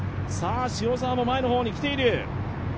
塩澤も前の方に来ている。